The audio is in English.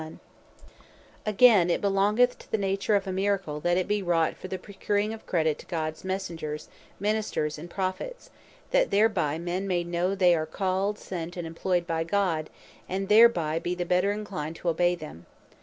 The End Of Miracles Again, it belongeth to the nature of a Miracle, that it be wrought for the procuring of credit to Gods Messengers, Ministers, and Prophets, that thereby men may know, they are called, sent, and employed by God, and thereby be the better inclined to obey them.